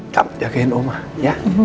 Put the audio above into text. kamu jagain oma ya